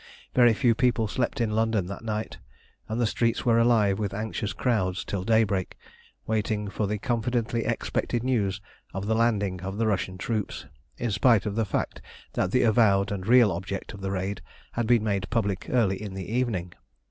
Very few people slept in London that night, and the streets were alive with anxious crowds till daybreak, waiting for the confidently expected news of the landing of the Russian troops, in spite of the fact that the avowed and real object of the raid had been made public early in the evening.